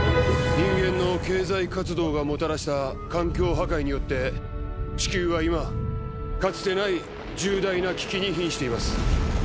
人間の経済活動がもたらした環境破壊によって地球は今かつてない重大な危機に瀕しています